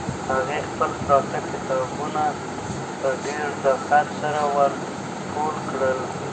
هغې خپل پراته کتابونه په ډېر دقت سره ور ټول کړل.